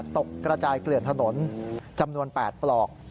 กระจายเกลื่อนถนนจำนวน๘ปลอก